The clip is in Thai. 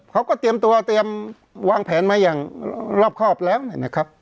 เขาก็เตรียมตัวเตรียมวางแผนมาอย่างรอบครอบแล้วนะครับ